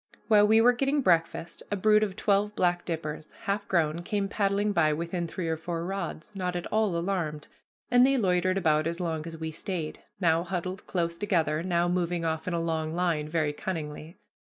While we were getting breakfast a brood of twelve black dippers, half grown, came paddling by within three or four rods, not at all alarmed; and they loitered about as long as we stayed, now huddled close together, now moving off in a long line, very cunningly.